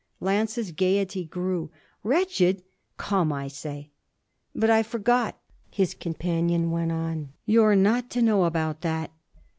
Lance's gaiety grew. 'Wretched? Come, I say!' 'But I forgot,' his companion went on 'you're not to know about that.